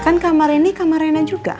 kan kamar ini kamar rena juga